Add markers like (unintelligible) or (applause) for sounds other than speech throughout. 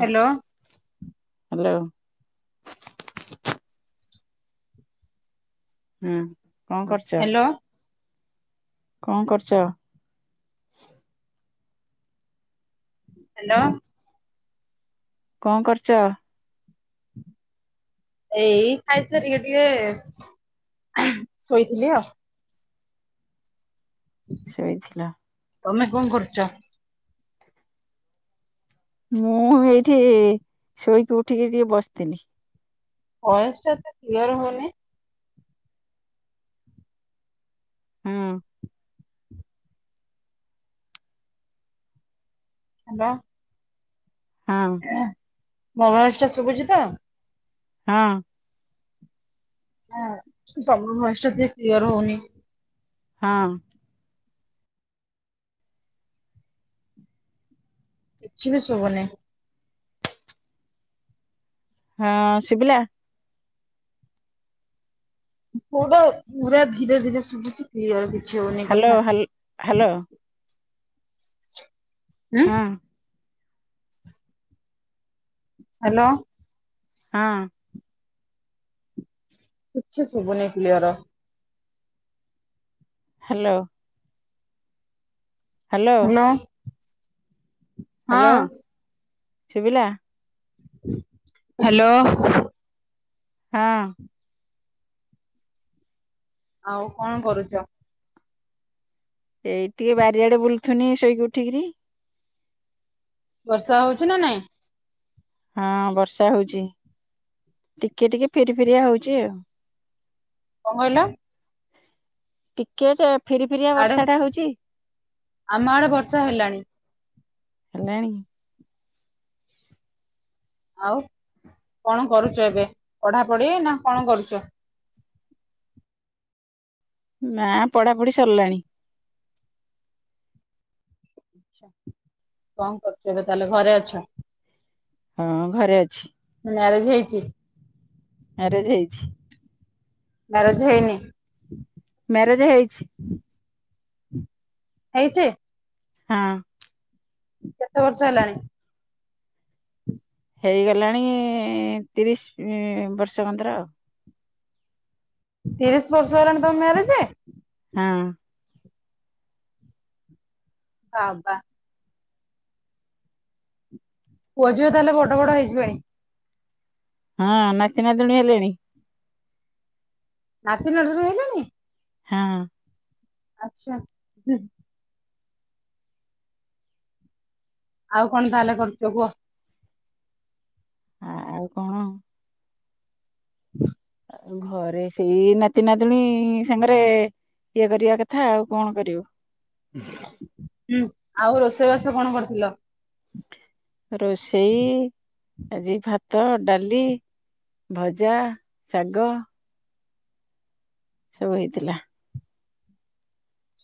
Hello hello ହୁଁ କଣ କରୁଛ? ହ୍ୟାଲୋ କଣ କରୁଛ? ହ୍ୟାଲୋ କଣ କରୁଛ? (inaudible) ଏଇ ଖାଇସାରିକି ଟିକେ ଟିକେ ଶୋଇଥିଲି ଆଉ ସୋଇଥିଲ ତମେ କଣ କରୁଛ? ମୁଁ ଏଇଠି ଶୋଇକି ଉଠିକି ଟିକେ ବସିଥିଲି ଭଏସ୍‌ ଟା ତ କ୍ୟ ଲିୟର ହେଉନି ହୁଁ ହେଲୋ ହଁ ମୋ ଭଏସ୍‌ଟା ଶୁଭୁଚି ତ ହଁ ହଁ ତମ ଭଏସ୍‌ଟା ଟିକେ କ୍ଲିୟର୍‌ ହେଉନି ହଁ କିଛିି ବି ଶୁଭୁନି ହଁ ଶୁଭିଲା ପୁଡ଼ ପୁରା ଧୀରେ ଧୀରେ ଶୁଭୁଛି କ୍ଲିଅର୍ ଶୁଭୁନି ହ୍ୟାଲୋ କଥା ହ୍ୟାଲୋ ହ୍ୟାଲୋ ଉ ହଁ ହ୍ୟାଲୋ ହାଁ କିଛି ଶୁବୁନି କ୍ଲ୍କିଲିଅର ହ୍ୟାଲୋ ହ୍ୟାଲୋ ହଁ ଶୁବିଲା ହ୍ୟାଲୋ ହଁ ଆଉ କଣ କରୁଛ? ଏଇ ଟିକେ ବାରିଆଡେ ବୁଲୁଥିନି ଶୋଇକି ଉଠିକିରି ବର୍ଷା ହଉଛି ନା ନାଇଁ ହଁ ବର୍ଷା ହେଉଛିଟିକେ ଟିକେ ଫିରଫିରିଆ ହଉଛି ଆଉ କଣ କହିଲ ଟିକେ ରେଫ୍ ଫିର୍ ଫିରିଆ ଆଡେ ବର୍ଷା ଟା ହେଉଛି ଆମ ଆଡେ ବର୍ଷା ହେଲାଣି ହେଲାଣି ଆଉ କଣ କରୁଛ ଏବେ ପଢ଼ାପଢ଼ି ନା କଣ କରୁଛ? ନା ପଢ଼ାପଢ଼ି ସରିଲାଣି। ଆଛା କଣ କରୁଛ ଏବେ ତାହଲେ ଘରେ ଅଛ? ହଁ ଘରେ ଅଛି। ମ୍ୟାରେଜ୍‌ ହେଇଛି? ମ୍ୟାରେଜ୍‌ ହେଇଛି। ମ୍ୟାରେଜ୍‌ ହେଇନି? ମ୍ୟାରେଜ୍‌ ହେଇଛି। ହେଇଛି? ହଁ। କେତେ ବର୍ଷ ହେଲାଣି? ହେଇଗଲାଣି ତିରିଶି ବର୍ଷ କନ୍ତର ଆଉ। ତିରିଶି ବର୍ଷ ହେଲାଣି ତମ ମ୍ୟାରେଜ୍‌? ହୁଁ। ହଁ ବା। ପୁଅ ଝିଅ ତାହେଲେ ବଡ଼ବଡ଼ ହେଇଯିବେଣି? ହଁ ନାତି ନାତୁଣୀ ହେଲେଣି। ନାତି ନାତୁଣୀଡ ହେଲେଣି? ହଁ। ଆଛା ହୁ। ଆଉ କଣ ତାହେଲେ କରୁଛ କୁହ? ଆ ଆଉ କଣ। ହଁ ଘରେ ସେଇ ନାତି ନାତୁଣୀ ସାଙ୍ଗରେ ଇଏ କରିବା କଥା ଆଉ କଣ କରିବୁ। ହୁଁ ଆଉ ରୋଷେଇବାସ କଣ କରିଥିଲ। ରୋଷେଇ ଆଜି ଭାତ ଡାଲି ଭଜା ଶାଗ। ସବୁ ହେଇଥିଲା।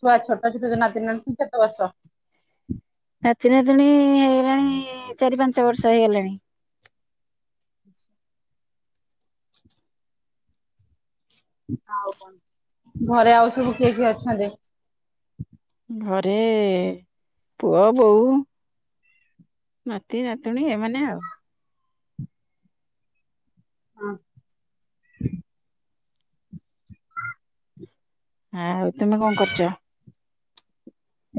ଛୁଆ ଛୋଟ ଛୋଟ ଯୋଉ ନାତି ନାତୁଣୀ କି କେତେ ବର୍ଷ? ନାତି ନାତୁଣୀ ହେଇଗଲାଣି ଚାରି ପାଞ୍ଚ ବର୍ଷ ହେଇଗଲାଣି। ଆଉ କଣ ଘରେ ଆଉ ସବୁ କିଏ କିଏ ଅଛନ୍ତି? ଘରେ ପୁଅ ବୋଉ ନାତି ନାତୁଣୀ ଏମାନେ ଆଉ। ହଁ। ଆଉ ତୁମେ କଣ କରୁଚ?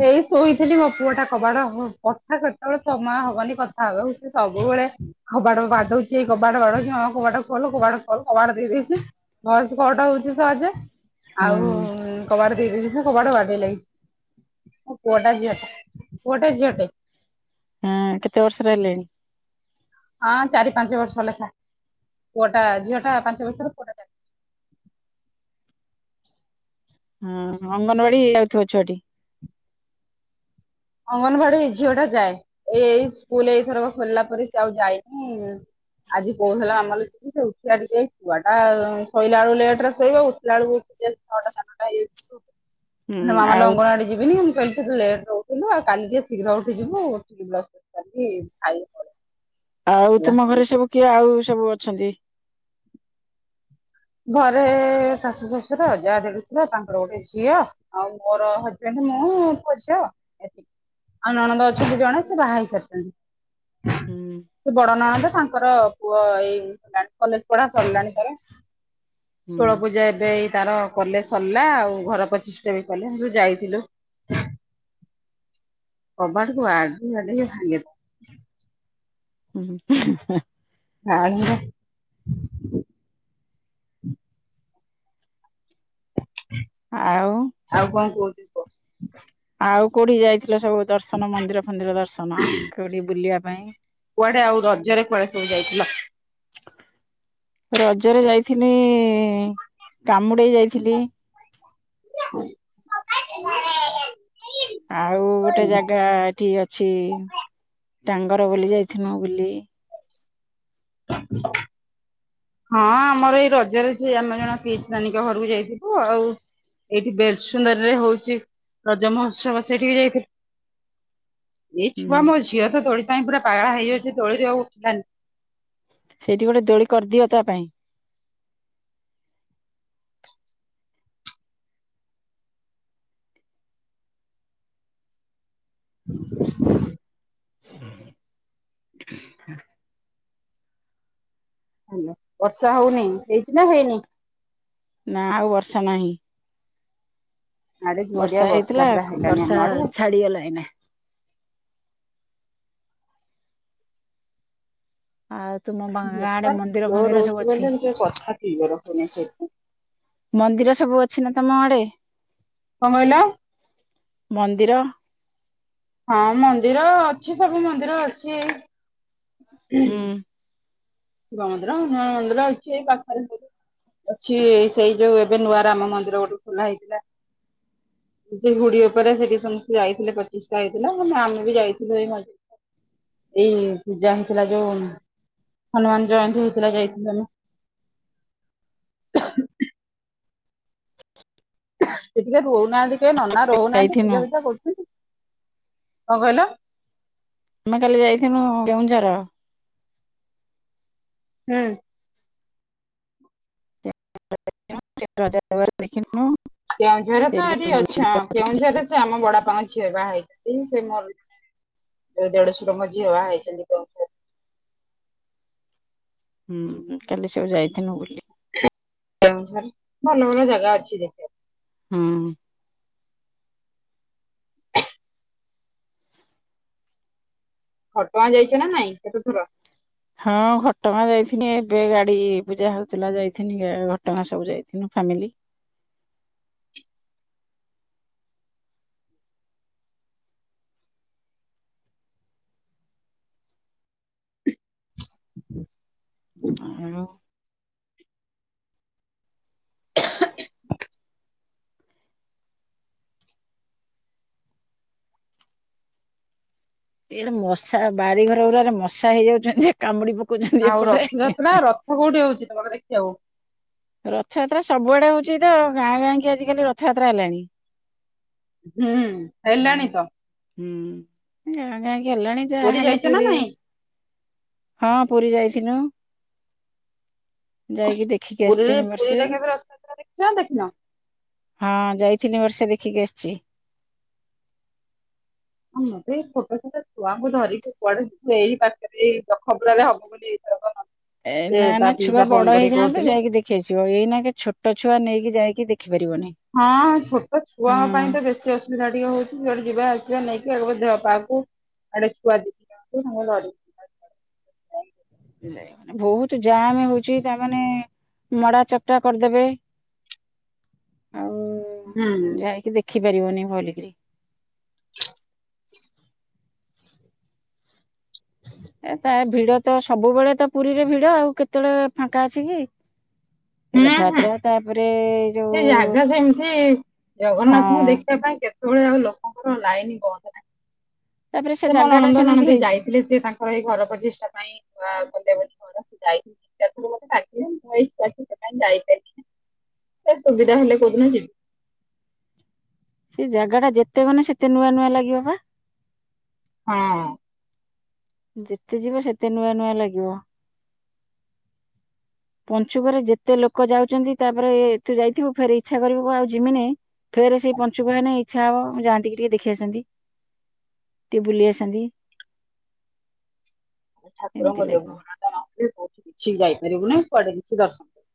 ଏଇ ଶୋଇଥିଲି ମୋ ପୁଅ ଟା କବାାଟ କଥା କେତେବେଳେ ସମୟ ହବନି କଥା ହେବାକୁ ସବୁ ସବବେଳେ କବାଟକୁ ବାଡୋଉଛି କବାଟ ବାଦୋଡଛି ମାମା କବାଟ ଖୋଲ କବାଟଖୋଲ କବାଟ ଖୋଲ କବାଟ ଦେଇ ଦେଉଛି। ଭଏସ୍ କଟ ହଉଛି ସହଜେ। ହୁଁ ଆଉ କବାଟ ଦେଇ ଦେଇନି କବାଟ ବାଡେଲାଣି। ମୋ ପୁଟା ଝଟା ପୁଅଟେ ଝୀଅଟେ। ହଁ କେତେ ବର୍ଷ ର ହେଲେଣି? ହଁ ଚାରି ପାଞ୍ଚ ବର୍ଷ ଲେଖା ପୁଅଟା ଝିଅ ଟା ପାଞ୍ଚ ବର୍ଷର ପୁଅଟାା ଚାରି ବର୍ଷର। (inaudible) ହଁ ଅଙ୍ଗନବାଡି ଯାଉଥିବ ଛୁଆଟି? ଅଙ୍ଗନବାଡି ଏ ଝିଅ ଟା ଯାଏ ଏଇ ଏଇ ସ୍କୁଲ ଏଇଥରକ ଖୋଲିଲା ପରେ ସେ ଆଉ ଯାଇନି ଆଜି କୋଉଥିଲେ ମାମାଲି ଯି ସେ ଉଠି ଆ ଟିକେ ଆ ଟା ଶୋଇଲା ବେଳକୁ ଲେଟେରେ ଶୋଇବ ଉଠିଲା ବଳକୁ ଛଟା ସାଢେ ନଅଟା ହୋଇଯାଇ ଥିବ ମୁ ହୁଁ କହିଲି ମାମାଲି ଆଉ ଅଙ୍ଗନ ବଡି ଯିବିନି ମୁଁ କହି ଲେଟ ଉ ଜିବୁ ଆଉ କାଲି ଟିକେ ଶୀଘ୍ର ଉଠି ଯିବୁଉଠିକି ବ୍ରଶ ଫର୍ସ ଶାରିକି ଖାଇକି ପଳେଇବୁ। ଆଉ ତୁମ ଘରେ ସବୁ କିଏ ଆଉ ସବୁ ଅଛନ୍ତି? ଘରେ ଶାଶୁ ଶଶୁର ଯାହା ଦେଡଶୁର ତାଙ୍କର ଗୋଟେ ଝିଅ ଆଉ ମୋର ହଜବେଣ୍ଡ। ମୁଁ ପୁଅ ଝିଅ ଏତିକି ଆଉ ନଣନ୍ଦ ଅଛନ୍ତି ଜଣେ ସେ ବାହା ହେଇସାରିଛନ୍ତି। ହୁଁ ସେ ବଡ ନଣନ୍ଦ ତାଙ୍କର ପୁଅ ଏଇ (unintelligible) କଲେଜ୍ ପଢା ସରିଲାଣି ତାର। ହୁଁ ଷୋଳପୂଜା ଏବେ ଏଇ ତାର କଲେ ସରିଲା ଆଉ ଘର ପ୍ରଚିଷ୍ଟା ବି କଲେ ଆମେ ସବୁ ଯାଇଥିଲୁ। କବାଟକୁ ଆଜି ବାଡେଇକି ଭାଙ୍ଗି ହୁଁ, ଆଉ ର ଆଉ କଣ କହୁଛୁ? କୁହ? ଆଉ କୋଉଠିକି ଯାଇଥିଲ ସବୁ ଦର୍ଶନ ମନ୍ଦିର ଫନ୍ଦିର ଦର୍ଶନ, କୋଉଠି ବୁଲିବା ପାଇଁ? କୁଆଡେ ଆଉ ରଜରେ କୁଆଡେ ସବୁ ଯାଇଥିଲ? ହ ରଜରେ ଯାଇଥିନି କାମୁଡେଇ ଯାଇଥିଲି। (inaudible) ଆଉ ଗୋଟେ ଜାଗା ଏଠି ଅ ଛି ଟାଙ୍ଗର ବୋଲି ଯାଇଥିନୁ ବୁଲି। (inaudible) ହଁ ଆମର ଏଇ ରଜରେ ସିଏ ଆମେ ଜଣ ପିଇସି ନାନୀଙ୍କ ଘରକୁ ଯାଇଥିଲୁ। ଆଉ ଏଇଠି ବେର ସୁନ୍ଦରରେ ହଉଚି ରଜ ମହୋତ୍ସବ ସେଠିକି ଯାଇଥିଲୁ। ଏଇ ଛୁଆ ହୁଁ ମୋ ଝିଅ ତ ଦୋଳି ପାଇଁ ପୁରା ପାଗଳା ହେଇଯାଉଛି। ଦୋଳିରେ ଆଉ ଉଠିଲାନି। ସେଇଠି ଗୋଟେ ଦୋଳି କରିଦିଅ ତା ପାଇଁ। ହଁ। ହାଲୋ, ବର୍ଷା ହଉନି ହେଇଚି ନା ହେଇନି? ନା ଆଉ ବର୍ଷା ନାହିଁ। ଆଡେ ଜୋରିଆ ବର୍ଷା ହେଇଥିଲା। ପୁରା ହେଲାଣି ଆମ ବର୍ଷା ଆଡେ। ଛାଡିଗଲା ଏଇନା। ଆଉ ତୁମ ଗାଁ ଆଡେ ନେଟୱାର୍କ ମନ୍ଦିର ସ୍ଲୋ ଫନ୍ଦିର ସବୁ ରହୁଛି ଅଛି ମାନେ ମୁଁ ଟିକେ କଥା କ୍ଲିୟର ହଉନାହିଁ ସେ ପାଇଁ। ମନ୍ଦିର ସବୁ ଅଛି ନା ତୋମ ଆଡେ? କଣ କହିଲ? ମନ୍ଦିର। ହଁ ମନ୍ଦିର ଅଛି ସବୁ ମନ୍ଦିର ଅଛି। ଏଇ ହୁଁ। ଶିବ ମନ୍ଦିର ହଁ ମନ୍ଦିର ଅଛି ଏଇ ପାଖରେ ସବୁ। ଅଛି ସେଇ ଯୋଉ ଏବେ ନୂଆ ରାମ ମନ୍ଦିର ଗୋଟେ ଖୋଲା ହେଇଥିଲା। ହଁ ଯେ ହୁଡି ଉପରେ ସେଠି ସମସ୍ତେ ଯାଇଥିଲେ ପ୍ରତିଷ୍ଠା ହେଇଥିଲା। ମାନେ ଆମେ ବି ଯାଇଥିଲୁ ଏଇ ମ (inaudible) ଏଇ ପୂଜା ହେଇଥିଲା ଯୋଉ ହନୁମାନ ଜୟନ୍ତୀ ହେଇଥିଲା ଯାଇଥିଲୁ ଆମେ। ସେ ଟିକେ ରହୁନାହାନ୍ତି କେ ନନା ରହୁନାହାନ୍ତି। ଯାଇଥିନୁ ପୂଜା ଫୂଜା କରୁଛନ୍ତି। କଣ କହିଲ? ଆମେ କାଲି ଯାଇଥିନୁ କେଉଁଝର। ହୁଁ। (inaudible) ଦେଖିନି। କେଉଁଝରରେ ତ ଏଠି ଅଛଁ। ଅଛି କେଉଁଝରରେ ସେ ଆମ ବଡ ବାପାଙ୍କ ଝିଅ ବାହ ହେଇଚି ସେ ମୋର ଏ ଦେଢଶୁରଙ୍କା ଝିଅ ବାହା ହେଇଛନ୍ତି (unintelligible) ହୁଁ, ଉଁ, କାଲି ସବୁ ଯାଇଥିନୁ ବୁଲି। କାମ ସାରି ଭଲ ଭଲ ଜାଗା ଅଛି ଦେଖିବା ହଁ। ଘଟଗାଁ ଯାଇଚ ନା ନାଇଁ? କେତେଥର? ହଁ ଘଟଗାଁ ଯାଇଥିନି ଏବେ ଗାଡି ପୂଜା ହଉଥିଲା ଯାଇଥିନି ଘଟଗାଁ ସବୁ ଯାଇଥିନୁ। ଫ୍ୟାମିଲି। ଆଉ ଇଆଡେ ମଶା ବାଡିଘର ଗୁଡାରେ ମଶା ହେଇଯାଉଛନ୍ତି କାମୁଡି ପ ଆଉ ଏପଟରେ ରଥଯାତ୍ରା ରଥ କୋଉଠି ହଉଛି ତମର ଦେଖିବାକୁ ରଥଯାତ୍ରା ସବୁଆଡେ ହଉ ଚିତ ଗାଁ ଗାଁ କି ଆଜିିକାଲି ରଥଯାତ୍ରା ହେଲାଣି। ହୁଁ ହେଲାଣି ତ। ହୁଁ ଗାଁ ଗାଁ କି ଗଲାଣି ଯାହାନେ ଯାଇଛ ନା ପୁରୀ ନାଇଁ ହଁ ପୁରୀ ଯାଇଥିନୁ। ଦେଖିକି ପୁରୀରେ ଆସିଥିନୁ ବର୍ଷେ ପୁରୀରେ କେବେ ର ଦେଖିଛ ନା ଦେଖିନ? ହଁ ଯାଇଥିନି ବର୍ଷା ଦେଖିକି ଆସିଛି। ଆଁ ମୁଁ ତେ ଏଇ ଛୋଟ ଛୋଟା ଛୁଆଙ୍କୁ ଧରିକି କୁଆଡେ ଏଇ ପାଖରେ ଏଇ ଖବୁଡାରେ ହବ ବୋଲି ଏଇଥରକ ଏ ସେ ନା ତା ନା ଛୁଆ ପିଇସା ଫୋନ ବଡ କରିକି ହେଇଯାଆନ୍ତୁ କହୁଥିଲେ। ଯାଇକି ଦେଖିଆସିବ ଏଇନା କେ ଛୋଟ ଛୁଆ ନେଇକି ଯାଇକି ଦେଖି ହଁ ଛୋଟ ଛୁଆଙ୍କ ହଁ ପାଇଁ ତ ବେଶୀ ଅସୁବିଧା ଟିକେ ହଉଛି ଯୁଆଡେ ଯିବା ଆ ନେଇକି ଆ ଦେହ ପାକୁ ଆଡେ ଛୁଆ ଦେଇକି ସାଙ୍ଗେ ବହୁତ ଜାମ୍ ହଉଛି ତାମାନେ ମଡା ଚକଟା କରିଦେବେ। ହୁଁ ଆଉ ଯାଇକି ଦେଖି ପାରିବନି ଭଲିକିରି। (inaudible) (inaudible) ଏ ତା ଭିଡ ତ ସବୁବେଳେ ତ ପୁରୀରେ ଭିଡ ଆଉ କେତେବେଳେ ଫାଙ୍କା ଅଛି କି? ହୁଁ ହୁଁ ରଥଯାତ୍ରା ତାପରେ ଯୋଉ ସେ ଜାଗା ସେମିତି ହଁ ଜଗନ୍ନାଥଙ୍କୁ ଦେଖିବା ପାଇଁ କେତେ ସେତେବେଳେ ଆଉ ଲୋକଙ୍କର ଲାଇନ ବନ୍ଦ ନାହିଁ। ତାପରେ ସେ ମୋ ଜାଗା ଟା ନଣନ୍ଦ ସେମିତି ନଣନ୍ଦୀ ହେଇଛି। ଯାଇଥିଲି ସିଏ ତାଙ୍କର ଏଇ ଘର ପ୍ରତିଷ୍ଠା ପାଇଁ ଗଲେ ବୋଲି ଯାଇଥିଲ ମତେ କିଲ ମୁଁ ସେ (unintelligible) ସେ ସୁବିଧା ହେଲେ କୋଉଦିନ ଯିବି। ସେ ଜାଗା ଟା ଯେତେ ମାନେ ସେତେ ନୂଆ ନୂଆ ଲାଗିବ ପା। ହଁ। ଯେତେ ଯିବ ସେତେ ନୂଆ ନୂଆ ଲାଗିବ। ପଞ୍ଚୁକରେ ଯେତେ ଲୋକ ଯାଉଛନ୍ତି ତାପରେ ଏ ତୁ ଯାଇଥିବୁ ଫେର ଇଚ୍ଛା କରିବୁ ଆଉ ଯିମିନି ଫେର ସେଇ ପଞ୍ଚୁକ ହେନେ ଇଚ୍ଛା ହବ ମୁଁ ଯାଆନ୍ତି କିି ଟିକେ ଦେଖି ଆସନ୍ତି। ଟିକେ ବୁଲି ଆସନ୍ତି। ଏମିତି ଠାକୁରଙ୍କ ଲାଗିବ। ଜଗନ୍ନାଥ ମନ୍ଦିର କୋଉଠି କିଛି ଯାଇପାରିବୁନି କୁଆଡେ କିଛି ଦର୍ଶନ କରିବୁ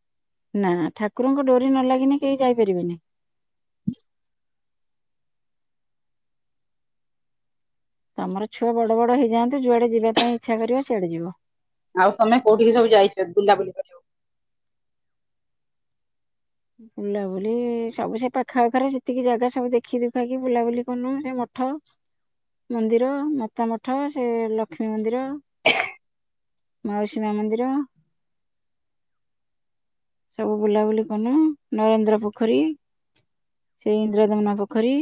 ନା ଠାକୁରଙ୍କ ଡୋରି ନ ଲାଗିନି କେହି ଯାଇପାରିବେନି। ତମର ଛୁଆ ବଡ ବଡ ହେଇଯାଆନ୍ତୁ ଯୁଆଡେ ଯିବା ପାଇଁ ଇଚ୍ଛା କରିବ ସିଆଡେ ଯିବ। ଆଉ ତମେ କୋଉଠିକି ସବୁ ଯାଇଛ ବୁଲାବୁଲି କରିବାକୁ? ବୁଲାବୁଲି ସବୁ ସେ ପାଖାପଖରେ ସେତିକି ଜାଗା ସବୁ ଦେଖି ଦୁଖାକି ବୁଲାବୁଲି କନୁ ସେ ମଠ ମନ୍ଦିର ମାତା ମଠ ସେ ଲକ୍ଷ୍ମୀ ମନ୍ଦିର। (inaudible) ମାଉସୀ ମା ମନ୍ଦିର। ସବୁ ବୁଲାବୁଲି କନୁ ନରେନ୍ଦ୍ର ପୋଖରୀ। ସେଇ ଇନ୍ଦ୍ରଦମନା ପୋଖରୀ।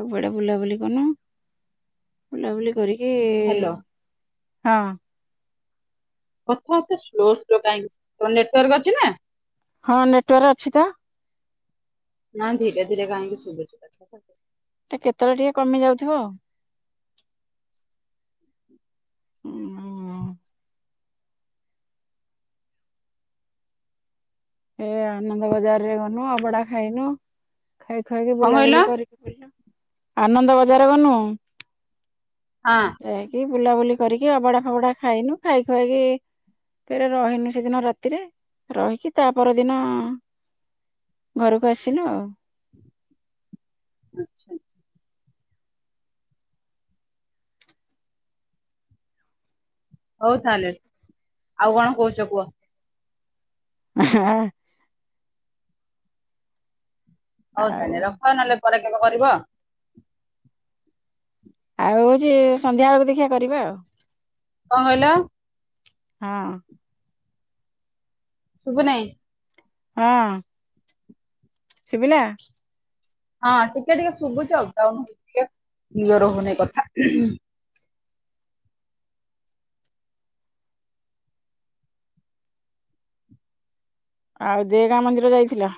ସବୁଆଡେ ବୁଲାବୁଲି କନୁ ବୁଲାବୁଲି କରିକି ହାଲୋ। ହଁ କଥା ସ୍ଲୋ ସ୍ଲୋ କାହିଁକି ତ ନେଟୱାର୍କ ଅଛି ନା? ହଁ ନେଟୱାର୍ ଅଛି ତ। ନା ଧୀରେ ଧୀରେ କାହିଁକି ଶୁଭୁଛି? ତ କେତେଟା ଟିକେ କମି ଯାଉଥିବ ଆଉ। (unintelligible) ଏ ଆନନ୍ଦ ବଜାରରେ ଗନୁ ଅଭଡ଼ା ଖାଇନୁ। ଖାଇ ଖଆାଇକି କଣ କହିଲ ବୁଲାବୁଲି ହଁ କରିକି (unintelligible) ଆନନ୍ଦ ବଜାର ଗନୁ ଯାଇକି ବୁଲାବୁଲି କରିକି ଅଭଡ଼ା ଫଭଡ଼ା ଖାଇନୁ ଖାଇ ଖୁଆଇକି ଫରେ ରହିନୁ ସେଦିନ ରାତିରେ ରହିକି ତାପରଦିନ ଘରକୁ ଆସିଲୁ ଆଉ। ଆଚ୍ଛା ଆଚ୍ଛା। ହୋଉ ତାହେଲେ ଆଉ କଣ କୋହୁଚ କୁହ। (unintelligible) ହଉ ଆଉ ତାହେଲେ ରଖ ନହେଲେ ପରେ କେବେ କରିବ। ଆଉ ହୋଉଚି ସନ୍ଧ୍ୟା ବେଳୁକୁ ଦେଖିଆ କରିବା ଆଉ। କଁ କହିଲ। ହଁ। ସବୁନେଇ। ହଁ। ଶୁବିଲା। ହଁ ଟିକେ ଟିକେ ଶୁବୁଚି ଅବଡାଉନ୍ ହୋଉଚି ଟିକେ କ୍ଲିୟର ହୋଉନେଇ କଥା ଆଉ ଦେଗାଁ ମନ୍ଦିର ଯାଇଥିଲ।